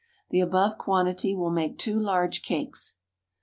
The above quantity will make two large cakes.